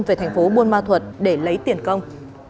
về thành phố buôn ma thuật để lấy tiền công